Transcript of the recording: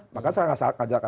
bahkan saya nggak salah kajarkan